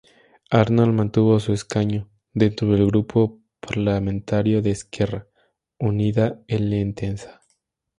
Arnal mantuvo su escaño, dentro del grupo parlamentario de Esquerra Unida-L'Entesa.